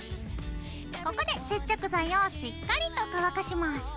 ここで接着剤をしっかりと乾かします。